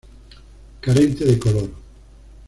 Carente de color.